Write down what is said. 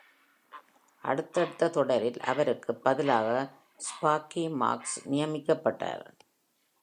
அடுத்தடுத்த தொடரில் அவருக்கு பதிலாக ஸ்பார்க்கி மார்கஸ் நியமிக்கப்பட்டார்.